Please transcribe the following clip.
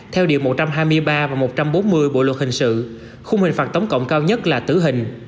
theo điều một trăm hai mươi ba và một trăm bốn mươi bộ luật hình sự khung hình phạt tổng cộng cao nhất là tử hình